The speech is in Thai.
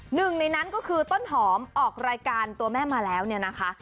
หนึ่งในนั้นก็คือต้นหอมออกรายการตัวแม่มาแล้วเนี่ยนะคะ